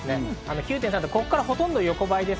９．３度、ここからほとんど横ばいです。